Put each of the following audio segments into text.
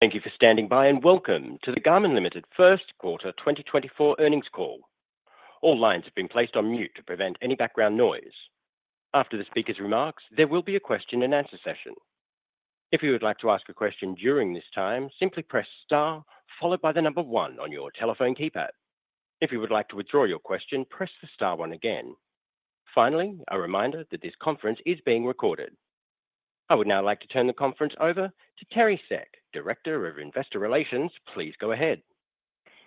Thank you for standing by, and welcome to the Garmin Limited First Quarter 2024 earnings call. All lines have been placed on mute to prevent any background noise. After the speaker's remarks, there will be a question and answer session. If you would like to ask a question during this time, simply press star followed by the number 1 on your telephone keypad. If you would like to withdraw your question, press the star 1 again. Finally, a reminder that this conference is being recorded. I would now like to turn the conference over to Teri Seck, Director of Investor Relations. Please go ahead.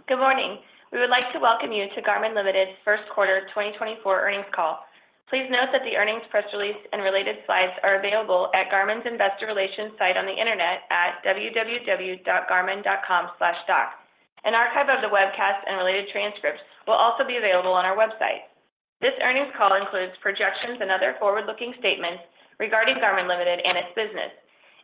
Good morning. We would like to welcome you to Garmin Ltd.'s first quarter 2024 earnings call. Please note that the earnings press release and related slides are available at Garmin's Investor Relations site on the internet at www.garmin.com/docs. An archive of the webcast and related transcripts will also be available on our website. This earnings call includes projections and other forward-looking statements regarding Garmin Ltd. and its business.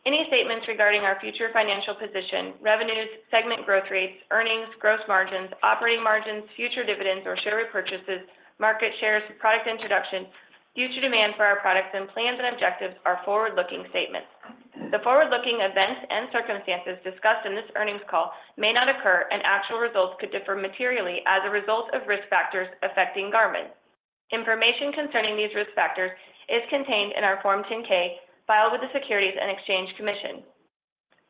Any statements regarding our future financial position, revenues, segment growth rates, earnings, gross margins, operating margins, future dividends or share repurchases, market shares, product introductions, future demand for our products, and plans and objectives are forward-looking statements. The forward-looking events and circumstances discussed in this earnings call may not occur, and actual results could differ materially as a result of risk factors affecting Garmin. Information concerning these risk factors is contained in our Form 10-K filed with the Securities and Exchange Commission.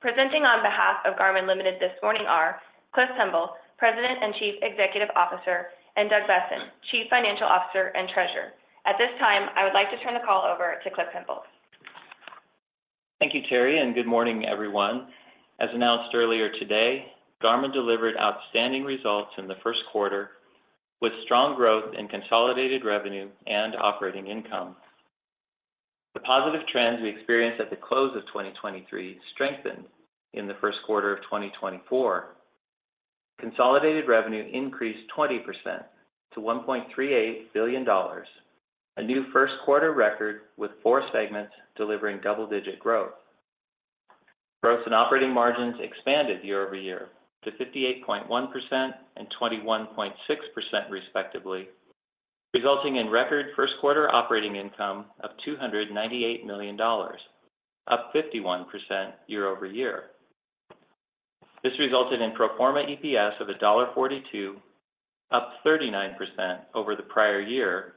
Presenting on behalf of Garmin Ltd. this morning are Cliff Pemble, President and Chief Executive Officer, and Doug Boessen, Chief Financial Officer and Treasurer. At this time, I would like to turn the call over to Cliff Pemble. Thank you, Teri, and good morning, everyone. As announced earlier today, Garmin delivered outstanding results in the first quarter, with strong growth in consolidated revenue and operating income. The positive trends we experienced at the close of 2023 strengthened in the first quarter of 2024. Consolidated revenue increased 20% to $1.38 billion, a new first quarter record, with four segments delivering double-digit growth. Gross and operating margins expanded year-over-year to 58.1% and 21.6%, respectively, resulting in record first quarter operating income of $298 million, up 51% year-over-year. This resulted in pro forma EPS of $1.42, up 39% over the prior year,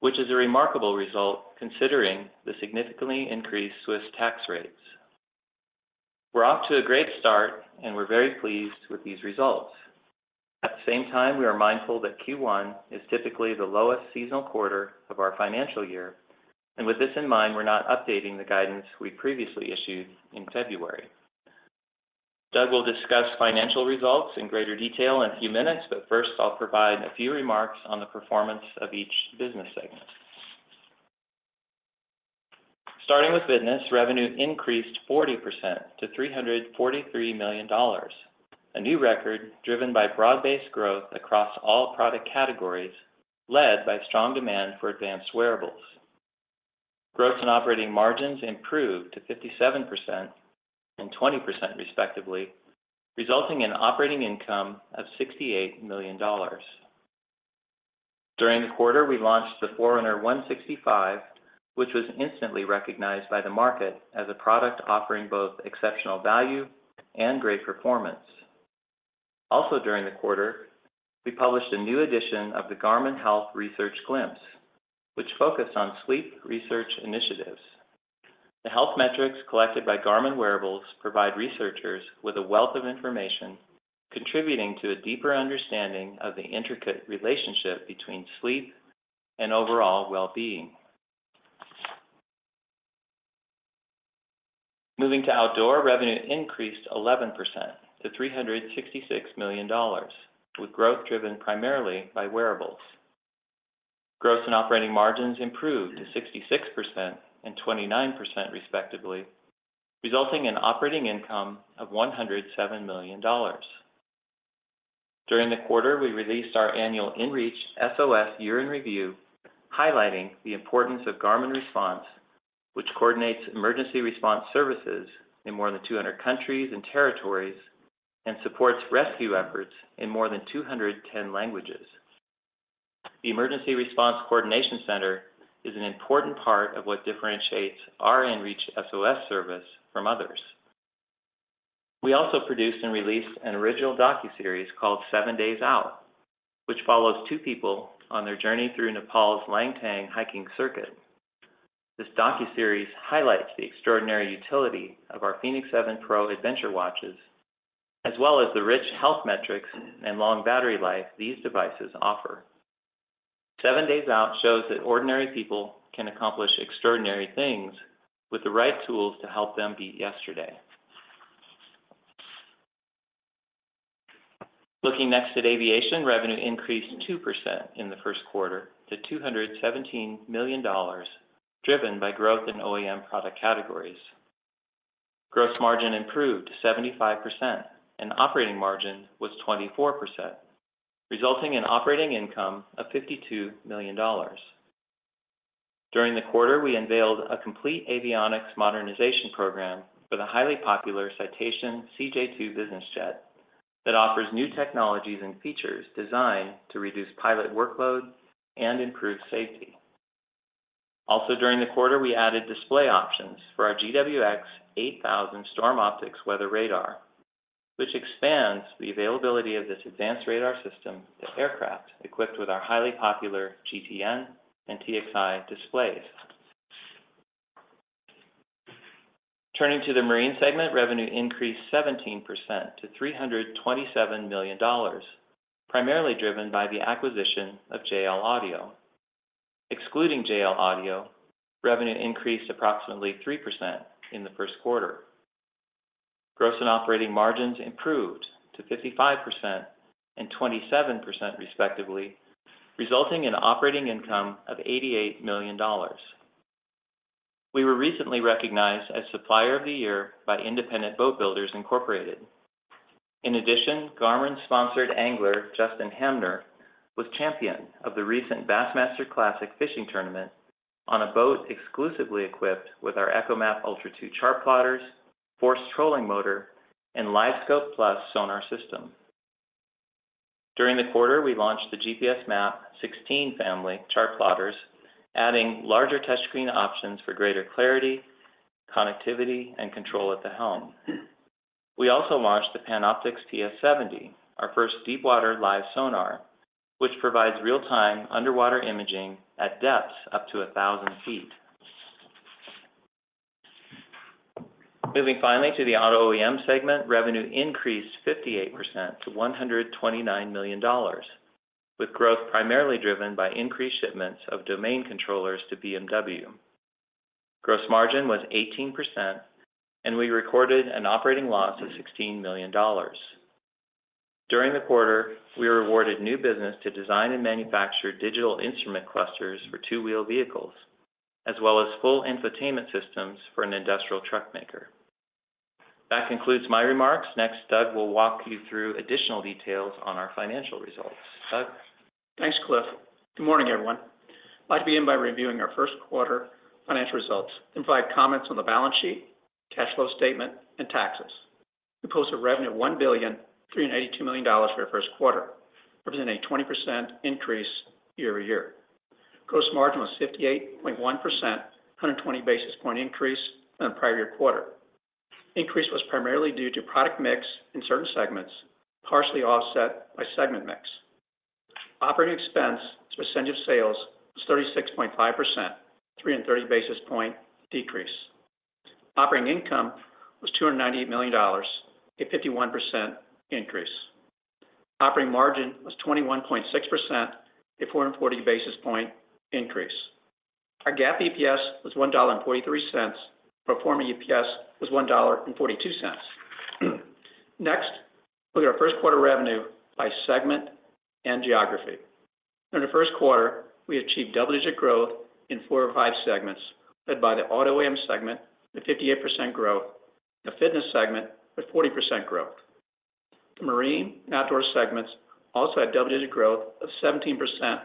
which is a remarkable result considering the significantly increased Swiss tax rates. We're off to a great start, and we're very pleased with these results. At the same time, we are mindful that Q1 is typically the lowest seasonal quarter of our financial year, and with this in mind, we're not updating the guidance we previously issued in February. Doug will discuss financial results in greater detail in a few minutes, but first, I'll provide a few remarks on the performance of each business segment. Starting with fitness, revenue increased 40% to $343 million, a new record driven by broad-based growth across all product categories, led by strong demand for advanced wearables. Gross and operating margins improved to 57% and 20%, respectively, resulting in operating income of $68 million. During the quarter, we launched the Forerunner 165, which was instantly recognized by the market as a product offering both exceptional value and great performance. Also, during the quarter, we published a new edition of the Garmin Health Research Glimpse, which focused on sleep research initiatives. The health metrics collected by Garmin wearables provide researchers with a wealth of information, contributing to a deeper understanding of the intricate relationship between sleep and overall well-being. Moving to Outdoor, revenue increased 11% to $366 million, with growth driven primarily by wearables. Gross and operating margins improved to 66% and 29%, respectively, resulting in operating income of $107 million. During the quarter, we released our annual inReach SOS Year in Review, highlighting the importance of Garmin Response, which coordinates emergency response services in more than 200 countries and territories, and supports rescue efforts in more than 210 languages. The Emergency Response Coordination Center is an important part of what differentiates our inReach SOS service from others. We also produced and released an original docuseries called Seven Days Out, which follows two people on their journey through Nepal's Langtang hiking circuit. This docuseries highlights the extraordinary utility of our fēnix 7 Pro adventure watches, as well as the rich health metrics and long battery life these devices offer. Seven Days Out shows that ordinary people can accomplish extraordinary things with the right tools to help them beat yesterday. Looking next at aviation, revenue increased 2% in the first quarter to $217 million, driven by growth in OEM product categories. Gross margin improved to 75%, and operating margin was 24%, resulting in operating income of $52 million. During the quarter, we unveiled a complete avionics modernization program for the highly popular Citation CJ2 business jet that offers new technologies and features designed to reduce pilot workload and improve safety. Also, during the quarter, we added display options for our GWX 8000 StormOptix weather radar, which expands the availability of this advanced radar system to aircraft equipped with our highly popular GTN and TXi displays. Turning to the Marine segment, revenue increased 17% to $327 million, primarily driven by the acquisition of JL Audio. Excluding JL Audio, revenue increased approximately 3% in the first quarter. Gross and operating margins improved to 55% and 27%, respectively, resulting in operating income of $88 million. We were recently recognized as Supplier of the Year by Independent Boat Builders, Inc. In addition, Garmin-sponsored angler Justin Hamner was champion of the recent Bassmaster Classic fishing tournament on a boat exclusively equipped with our ECHOMAP Ultra 2 chartplotters, Force Trolling Motor, and LiveScope Plus sonar system. During the quarter, we launched the GPSMAP 16 family chartplotters, adding larger touchscreen options for greater clarity, connectivity, and control at the helm. We also launched the Panoptix PS70, our first deepwater live sonar, which provides real-time underwater imaging at depths up to 1,000 feet. Moving finally to the Auto OEM segment, revenue increased 58% to $129 million, with growth primarily driven by increased shipments of domain controllers to BMW. Gross margin was 18%, and we recorded an operating loss of $16 million. During the quarter, we were awarded new business to design and manufacture digital instrument clusters for two-wheeled vehicles, as well as full infotainment systems for an industrial truck maker. That concludes my remarks. Next, Doug will walk you through additional details on our financial results. Doug? Thanks, Cliff. Good morning, everyone. I'd like to begin by reviewing our first quarter financial results and provide comments on the balance sheet, cash flow statement, and taxes. We posted revenue of $1.382 billion for our first quarter, representing a 20% increase year-over-year. Gross margin was 58.1%, a 120 basis point increase than the prior year quarter. Increase was primarily due to product mix in certain segments, partially offset by segment mix. Operating expense as a percentage of sales was 36.5%, 330 basis point decrease. Operating income was $298 million, a 51% increase. Operating margin was 21.6%, a 440 basis point increase. Our GAAP EPS was $1.43, pro forma EPS was $1.42. Next, look at our first quarter revenue by segment and geography. During the first quarter, we achieved double-digit growth in four of five segments, led by the Auto OEM segment with 58% growth, the Fitness segment with 40% growth. The Marine and Outdoor segments also had double-digit growth of 17% and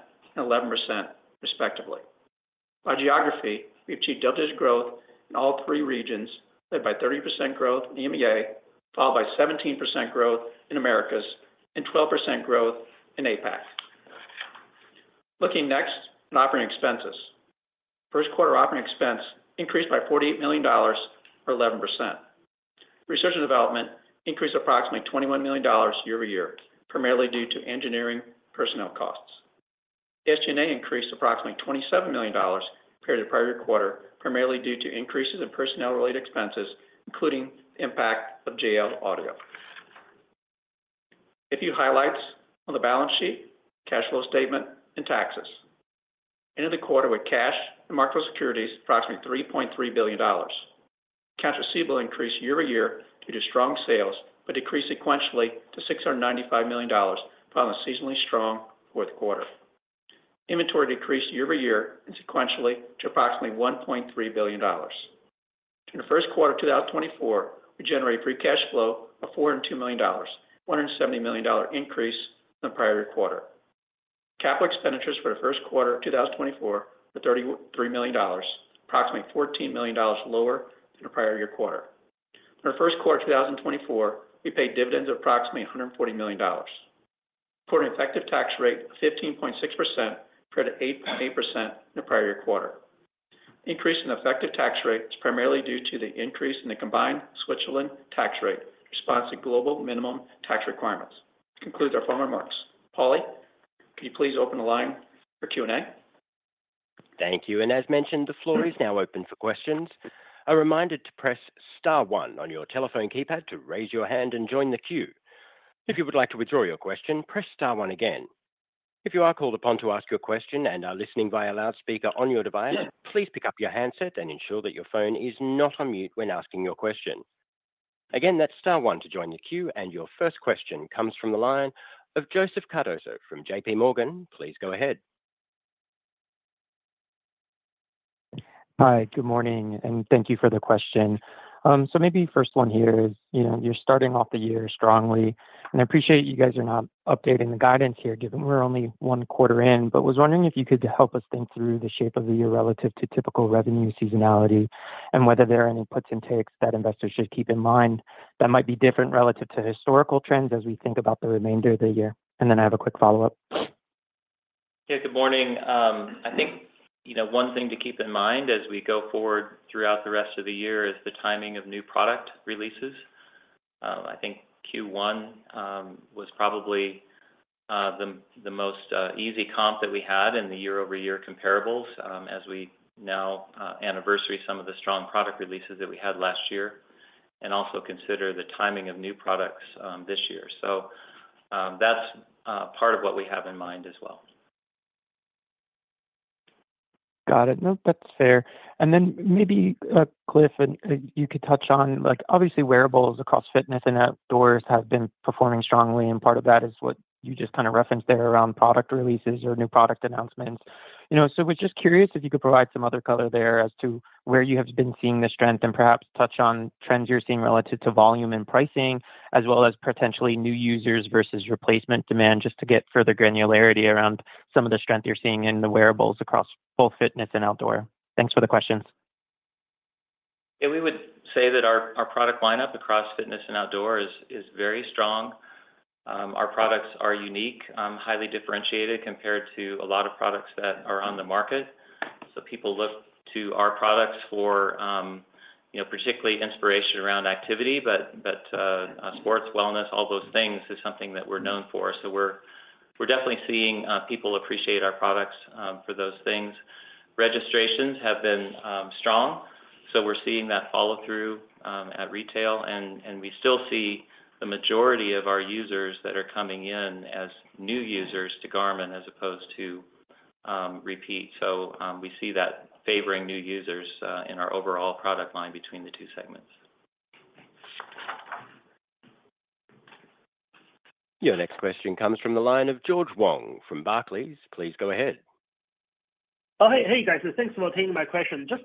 11%, respectively. By geography, we achieved double-digit growth in all three regions, led by 30% growth in EMEA, followed by 17% growth in Americas, and 12% growth in APAC. Looking next on operating expenses. First quarter operating expense increased by $48 million, or 11%. Research and development increased approximately $21 million year-over-year, primarily due to engineering personnel costs. SG&A increased approximately $27 million compared to the prior year quarter, primarily due to increases in personnel-related expenses, including the impact of JL Audio. A few highlights on the balance sheet, cash flow statement, and taxes. Ended the quarter with cash and marketable securities, approximately $3.3 billion. Accounts receivable increased year-over-year due to strong sales, but decreased sequentially to $695 million, following a seasonally strong fourth quarter. Inventory decreased year-over-year and sequentially to approximately $1.3 billion. In the first quarter of 2024, we generated free cash flow of $142 million, $170 million increase than the prior year quarter. Capital expenditures for the first quarter of 2024 were $33 million, approximately $14 million lower than the prior year quarter. In the first quarter of 2024, we paid dividends of approximately $140 million, for an effective tax rate of 15.6%, compared to 8.8% in the prior year quarter. Increase in effective tax rate is primarily due to the increase in the combined Switzerland tax rate, in response to global minimum tax requirements. This concludes our formal remarks. Paulie, can you please open the line for Q&A? Thank you, and as mentioned, the floor is now open for questions. A reminder to press star one on your telephone keypad to raise your hand and join the queue. If you would like to withdraw your question, press star one again. If you are called upon to ask your question and are listening via loudspeaker on your device. Yeah please pick up your handset and ensure that your phone is not on mute when asking your question. Again, that's star one to join the queue, and your first question comes from the line of Joseph Cardoso from J.P. Morgan. Please go ahead. Hi, good morning, and thank you for the question. So maybe first one here is, you know, you're starting off the year strongly, and I appreciate you guys are not updating the guidance here, given we're only one quarter in. But was wondering if you could help us think through the shape of the year relative to typical revenue seasonality, and whether there are any puts and takes that investors should keep in mind that might be different relative to historical trends as we think about the remainder of the year. And then I have a quick follow-up. Hey, good morning. I think, you know, one thing to keep in mind as we go forward throughout the rest of the year is the timing of new product releases. I think Q1 was probably the most easy comp that we had in the year-over-year comparables, as we now anniversary some of the strong product releases that we had last year, and also consider the timing of new products this year. So, that's part of what we have in mind as well. Got it. Nope, that's fair. And then maybe, Cliff, and, you could touch on, like, obviously wearables across fitness and outdoors have been performing strongly, and part of that is what you just kind of referenced there around product releases or new product announcements. You know, so was just curious if you could provide some other color there as to where you have been seeing the strength, and perhaps touch on trends you're seeing relative to volume and pricing, as well as potentially new users versus replacement demand, just to get further granularity around some of the strength you're seeing in the wearables across both fitness and outdoor. Thanks for the questions. Yeah, we would say that our product lineup across fitness and outdoor is very strong. Our products are unique, highly differentiated compared to a lot of products that are on the market. So people look to our products for, you know, particularly inspiration around activity, but sports, wellness, all those things, is something that we're known for. So we're definitely seeing people appreciate our products for those things. Registrations have been strong, so we're seeing that follow through at retail. And we still see the majority of our users that are coming in as new users to Garmin as opposed to repeat. So we see that favoring new users in our overall product line between the two segments. Your next question comes from the line of George Wang from Barclays. Please go ahead. Oh, hey, hey, guys. So thanks for taking my question. Just,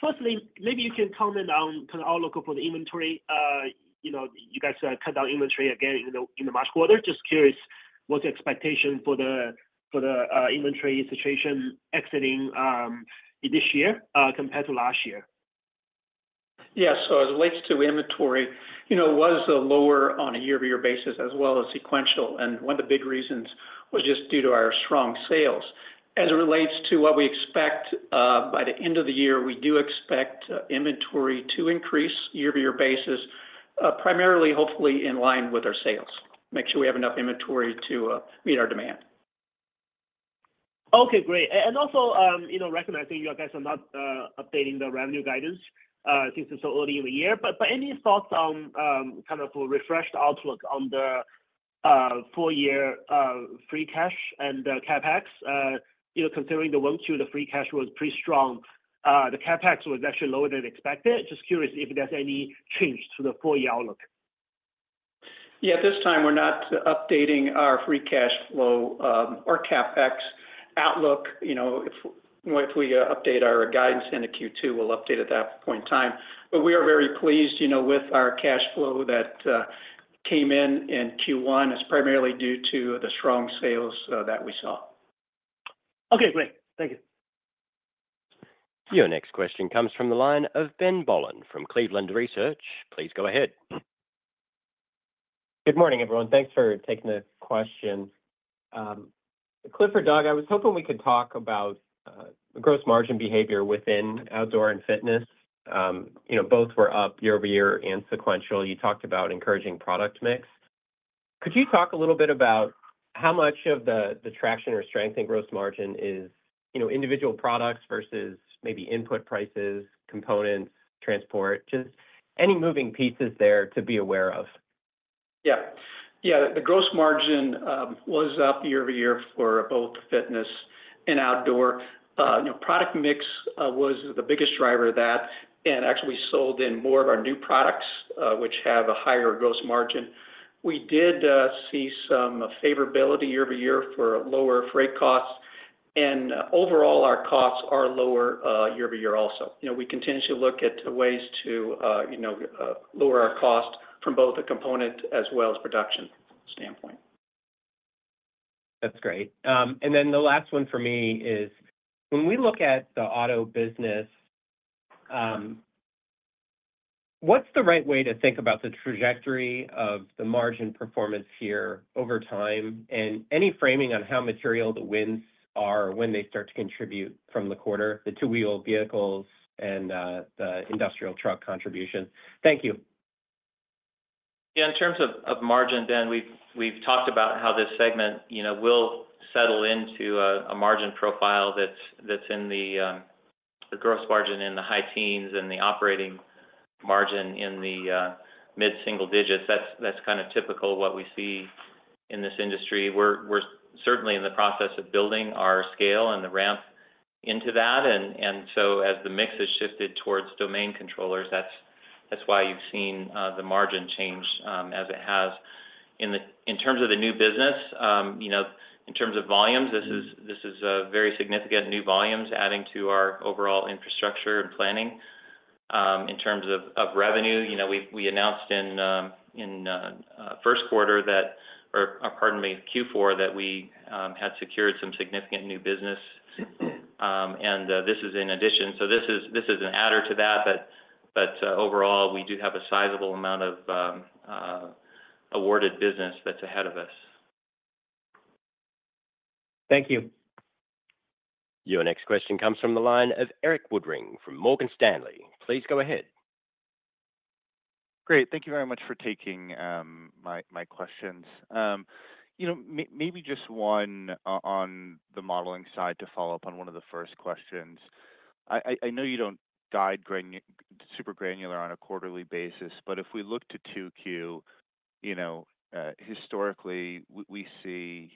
firstly, maybe you can comment on kind of outlook for the inventory. You know, you guys cut down inventory again in the March quarter. Just curious, what's the expectation for the inventory situation exiting this year, compared to last year? Yeah. So as it relates to inventory, you know, it was lower on a year-over-year basis, as well as sequential, and one of the big reasons was just due to our strong sales. As it relates to what we expect, by the end of the year, we do expect inventory to increase year-over-year basis, primarily hopefully in line with our sales, make sure we have enough inventory to meet our demand. Okay, great. And also, you know, recognizing you guys are not updating the revenue guidance, since it's so early in the year, but any thoughts on kind of a refreshed outlook on the full year free cash and CapEx? You know, considering the Q2, the free cash was pretty strong. The CapEx was actually lower than expected. Just curious if there's any change to the full year outlook. Yeah, at this time, we're not updating our free cash flow or CapEx outlook. You know, if we update our guidance into Q2, we'll update at that point in time. But we are very pleased, you know, with our cash flow that came in in Q1. It's primarily due to the strong sales that we saw. Okay, great. Thank you. Your next question comes from the line of Ben Bollin from Cleveland Research. Please go ahead. Good morning, everyone. Thanks for taking the questions. Cliff or Doug, I was hoping we could talk about the gross margin behavior within outdoor and fitness. You know, both were up year-over-year and sequential. You talked about encouraging product mix. Could you talk a little bit about how much of the traction or strength in gross margin is, you know, individual products versus maybe input prices, components, transport? Just any moving pieces there to be aware of. Yeah. Yeah, the gross margin was up year-over-year for both fitness and outdoor. You know, product mix was the biggest driver of that, and actually sold in more of our new products, which have a higher gross margin. We did see some favorability year-over-year for lower freight costs, and overall, our costs are lower year-over-year also. You know, we continue to look at ways to, you know, lower our cost from both a component as well as production standpoint. That's great. And then the last one for me is, when we look at the auto business, what's the right way to think about the trajectory of the margin performance here over time? And any framing on how material the winds are when they start to contribute from the quarter, the two-wheeled vehicles and, the industrial truck contribution? Thank you. Yeah, in terms of margin, Ben, we've talked about how this segment, you know, will settle into a margin profile that's in the gross margin in the high teens and the operating margin in the mid-single digits. That's kind of typical what we see in this industry. We're certainly in the process of building our scale and the ramp into that, and so as the mix has shifted towards domain controllers, that's why you've seen the margin change as it has. In terms of the new business, you know, in terms of volumes, this is very significant new volumes adding to our overall infrastructure and planning. In terms of revenue, you know, we announced in first quarter that... or, pardon me, Q4, that we had secured some significant new business, and this is in addition. So this is, this is an adder to that, but, but overall, we do have a sizable amount of awarded business that's ahead of us. Thank you. Your next question comes from the line of Eric Woodring from Morgan Stanley. Please go ahead. Great. Thank you very much for taking my questions. You know, maybe just one on the modeling side to follow up on one of the first questions. I know you don't dive super granular on a quarterly basis, but if we look to 2Q, you know, we see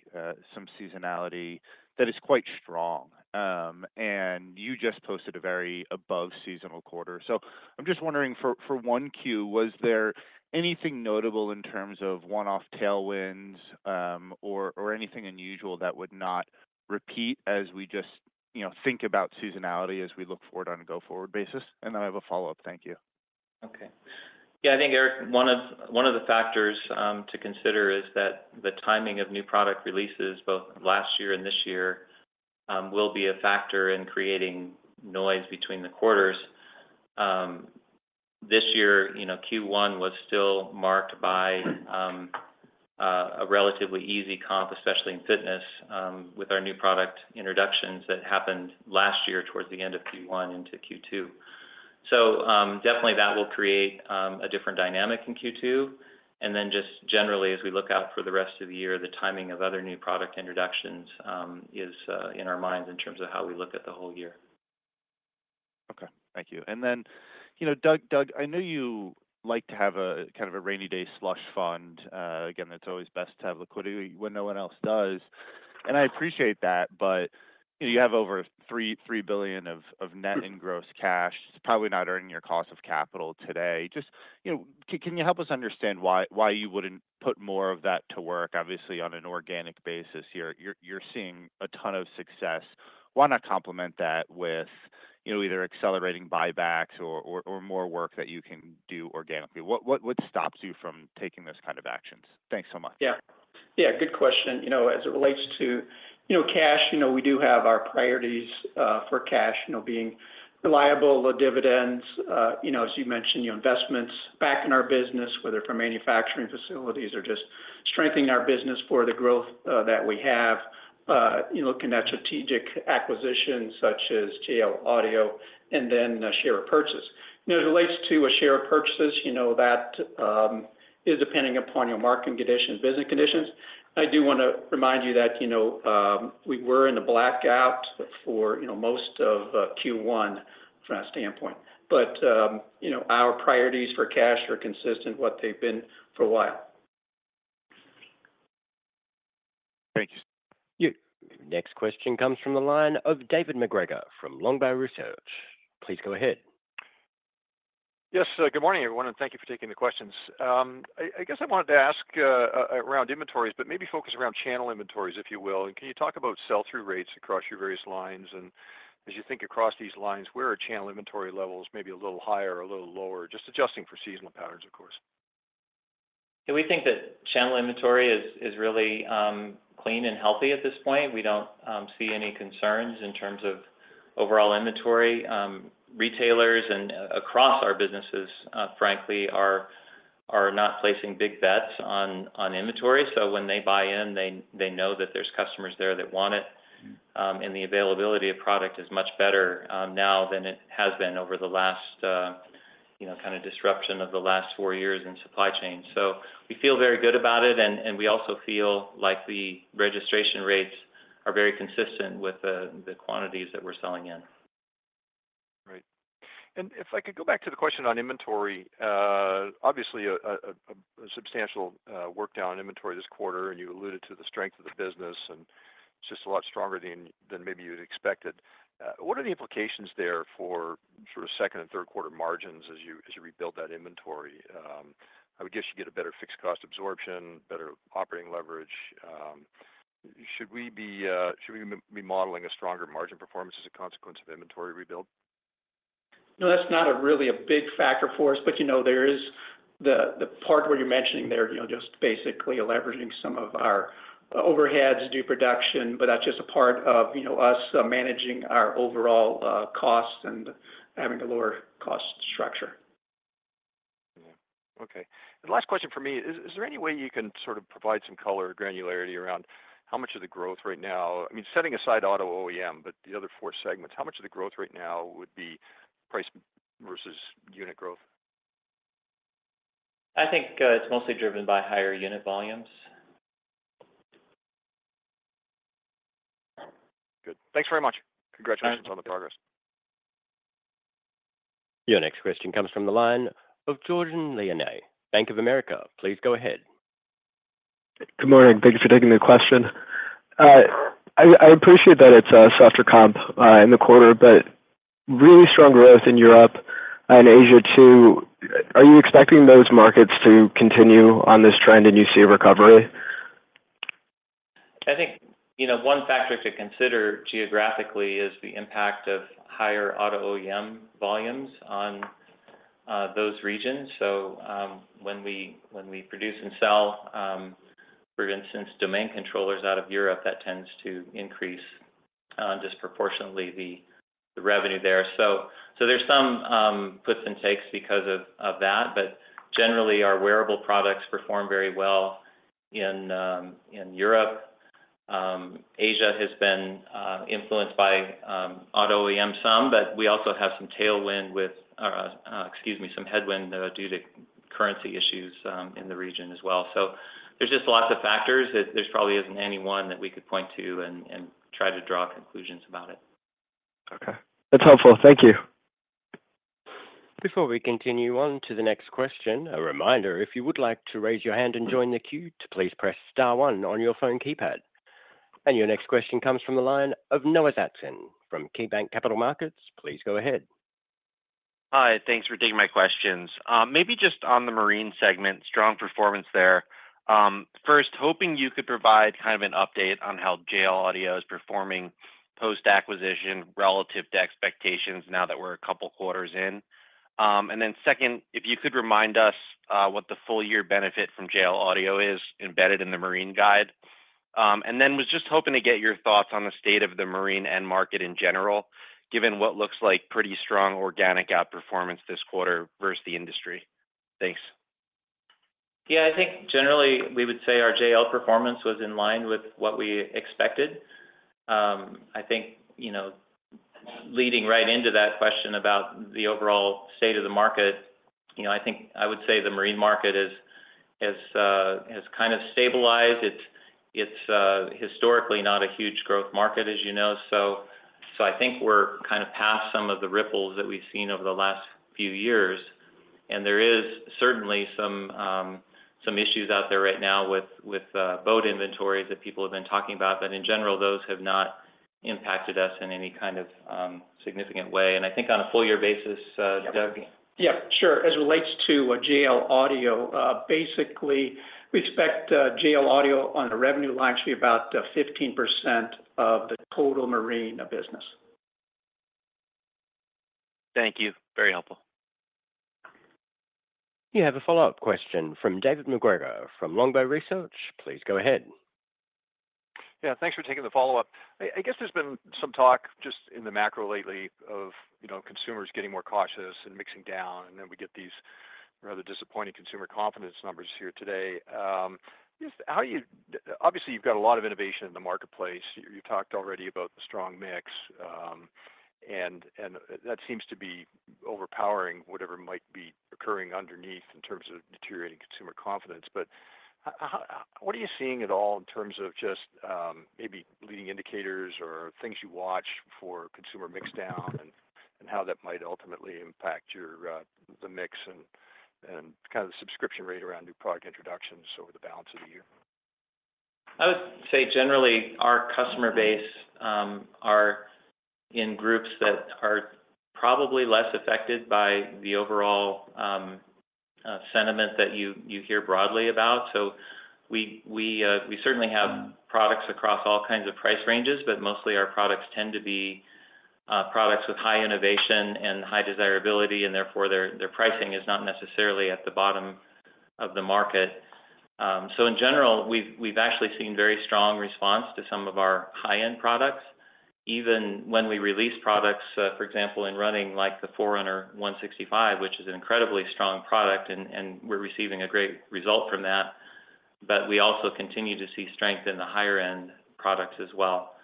some seasonality that is quite strong. And you just posted a very above seasonal quarter. So I'm just wondering for 1Q, was there anything notable in terms of one-off tailwinds, or anything unusual that would not repeat as we just, you know, think about seasonality as we look forward on a go-forward basis? And then I have a follow-up. Thank you. Okay. Yeah, I think, Eric, one of the factors to consider is that the timing of new product releases, both last year and this year, will be a factor in creating noise between the quarters. This year, you know, Q1 was still marked by a relatively easy comp, especially in fitness, with our new product introductions that happened last year towards the end of Q1 into Q2. So, definitely that will create a different dynamic in Q2, and then just generally, as we look out for the rest of the year, the timing of other new product introductions is in our minds in terms of how we look at the whole year. Okay. Thank you. And then, you know, Doug, I know you like to have a kind of a rainy day slush fund. Again, it's always best to have liquidity when no one else does, and I appreciate that, but you have over $3 billion of net and gross cash. It's probably not earning your cost of capital today. Just, you know, can you help us understand why you wouldn't put more of that to work? Obviously, on an organic basis here, you're seeing a ton of success. Why not complement that with, you know, either accelerating buybacks or more work that you can do organically? What stops you from taking those kind of actions? Thanks so much. Yeah. Yeah, good question. You know, as it relates to, you know, cash, you know, we do have our priorities for cash, you know, being reliable, the dividends, you know, as you mentioned, your investments back in our business, whether for manufacturing facilities or just strengthening our business for the growth, that we have. You know, looking at strategic acquisitions such as JL Audio and then, share purchases. You know, as it relates to a share purchases, you know, that is depending upon your market conditions, business conditions. I do wanna remind you that, you know, we were in a blackout for, you know, most of, Q1 from that standpoint. But, you know, our priorities for cash are consistent, what they've been for a while. Thank you. Yeah. Next question comes from the line of David MacGregor from Longbow Research. Please go ahead. Yes, good morning, everyone, and thank you for taking the questions. I guess I wanted to ask around inventories, but maybe focus around channel inventories, if you will. And as you think across these lines, where are channel inventory levels maybe a little higher or a little lower? Just adjusting for seasonal patterns, of course. Yeah, we think that channel inventory is, is really clean and healthy at this point. We don't see any concerns in terms of overall inventory. Retailers and across our businesses, frankly, are not placing big bets on inventory, so when they buy in, they know that there's customers there that want it, and the availability of product is much better now than it has been over the last, you know, kind of disruption of the last four years in supply chain. So we feel very good about it, and we also feel like the registration rates are very consistent with the quantities that we're selling in. Great. And if I could go back to the question on inventory, obviously, a substantial workout on inventory this quarter, and you alluded to the strength of the business, and it's just a lot stronger than maybe you'd expected. What are the implications there for sort of second and third quarter margins as you rebuild that inventory? I would guess you get a better fixed cost absorption, better operating leverage. Should we be modeling a stronger margin performance as a consequence of inventory rebuild? No, that's not really a big factor for us, but, you know, there is the part where you're mentioning there, you know, just basically leveraging some of our overheads, do production, but that's just a part of, you know, us managing our overall costs and having a lower cost structure. Yeah. Okay. The last question for me is, is there any way you can sort of provide some color or granularity around how much of the growth right now? I mean, setting aside Auto OEM, but the other four segments, how much of the growth right now would be price versus unit growth? I think, it's mostly driven by higher unit volumes. Good. Thanks very much. All right. Congratulations on the progress. Your next question comes from the line of Jordan Leonetti, Bank of America. Please go ahead. Good morning. Thank you for taking the question. I appreciate that it's a softer comp in the quarter, but really strong growth in Europe and Asia too. Are you expecting those markets to continue on this trend, and you see a recovery? I think, you know, one factor to consider geographically is the impact of higher Auto OEM volumes on those regions. So, when we produce and sell, for instance, domain controllers out of Europe, that tends to increase disproportionately the revenue there. So, there's some puts and takes because of that, but generally, our wearable products perform very well in Europe. Asia has been influenced by Auto OEM some, but we also have some tailwind with, excuse me, some headwind due to currency issues in the region as well. So there's just lots of factors. There's probably isn't any one that we could point to and try to draw conclusions about it. Okay, that's helpful. Thank you. Before we continue on to the next question, a reminder, if you would like to raise your hand and join the queue, to please press star one on your phone keypad. And your next question comes from the line of Noah Zatzkin from KeyBanc Capital Markets. Please go ahead. Hi, thanks for taking my questions. Maybe just on the marine segment, strong performance there. First, hoping you could provide kind of an update on how JL Audio is performing post-acquisition relative to expectations now that we're a couple quarters in. And then second, if you could remind us what the full year benefit from JL Audio is embedded in the marine guide. And then was just hoping to get your thoughts on the state of the marine end market in general, given what looks like pretty strong organic outperformance this quarter versus the industry. Thanks. Yeah, I think generally we would say our JL performance was in line with what we expected. I think, you know, leading right into that question about the overall state of the market, you know, I think I would say the marine market has kind of stabilized. It's historically not a huge growth market, as you know. So I think we're kind of past some of the ripples that we've seen over the last few years, and there is certainly some some issues out there right now with boat inventories that people have been talking about. But in general, those have not impacted us in any kind of significant way. And I think on a full year basis, Doug? Yeah, sure. As it relates to JL Audio, basically, we expect JL Audio on a revenue line to be about 15% of the total marine business. Thank you. Very helpful. You have a follow-up question from David MacGregor from Longbow Research. Please go ahead. Yeah, thanks for taking the follow-up. I guess there's been some talk just in the macro lately of, you know, consumers getting more cautious and mixing down, and then we get these rather disappointing consumer confidence numbers here today. Obviously, you've got a lot of innovation in the marketplace. You talked already about the strong mix, and that seems to be overpowering whatever might be occurring underneath in terms of deteriorating consumer confidence. But how... What are you seeing at all in terms of just, maybe leading indicators or things you watch for consumer mix down and, how that might ultimately impact your, the mix and, kind of the subscription rate around new product introductions over the balance of the year? I would say generally, our customer base are in groups that are probably less affected by the overall sentiment that you hear broadly about. So we certainly have products across all kinds of price ranges, but mostly our products tend to be products with high innovation and high desirability, and therefore, their pricing is not necessarily at the bottom of the market. So in general, we've actually seen very strong response to some of our high-end products, even when we release products, for example, in running, like the Forerunner 165, which is an incredibly strong product, and we're receiving a great result from that. But we also continue to see strength in the higher-end products as well.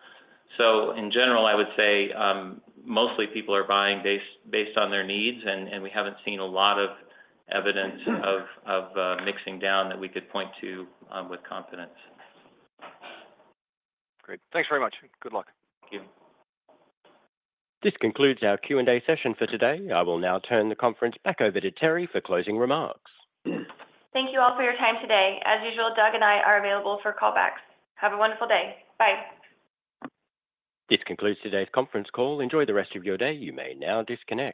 So in general, I would say, mostly people are buying based on their needs, and we haven't seen a lot of evidence of mixing down that we could point to, with confidence. Great. Thanks very much. Good luck. Thank you. This concludes our Q&A session for today. I will now turn the conference back over to Teri for closing remarks. Thank you all for your time today. As usual, Doug and I are available for callbacks. Have a wonderful day. Bye. This concludes today's conference call. Enjoy the rest of your day. You may now disconnect.